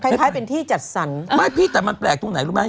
คล้ายเป็นที่จัดสรรไม่พี่แต่มันแปลกตรงไหนรู้ไหม